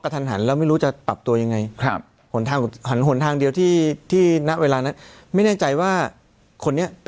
ครับสวัสดีครับ